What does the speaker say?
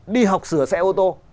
đi học sửa xe ô tô